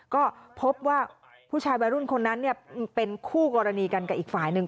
ก็พบว่าผู้ชายวัยรุ่นคนนั้นเป็นคู่กรณีกันกับอีกฝ่ายหนึ่ง